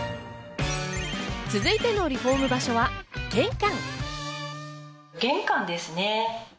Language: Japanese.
続いてのリフォーム場所は玄関。